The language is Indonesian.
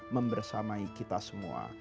membersamai kita semua